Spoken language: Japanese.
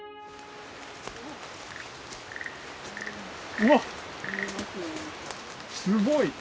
うわっすごい！